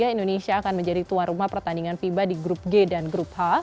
indonesia akan menjadi tuan rumah pertandingan fiba di grup g dan grup h